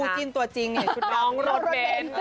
คู่จิ้นตัวจริงเนี่ยชุดน้องรถเบน